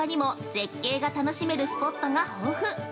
絶景が楽しめるスポットが豊富。